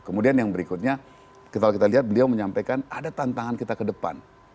kemudian yang berikutnya kalau kita lihat beliau menyampaikan ada tantangan kita ke depan